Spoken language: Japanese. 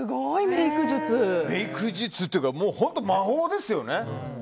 メイク術というかもう本当に魔法ですよね。